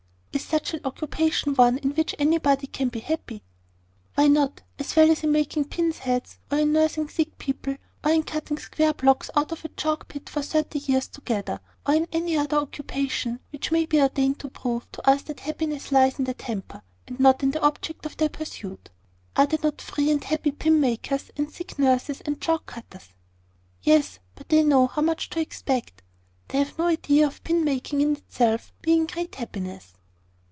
"Is such an occupation one in which anybody can be happy?" "Why not, as well as in making pins' heads, or in nursing sick people, or in cutting square blocks out of a chalk pit for thirty years together, or in any other occupation which may be ordained to prove to us that happiness lies in the temper, and not in the object of a pursuit? Are there not free and happy pin makers, and sick nurses, and chalk cutters?" "Yes: but they know how much to expect. They have no idea of pin making in itself being great happiness."